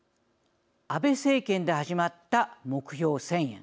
安倍政権で始まった目標１０００円。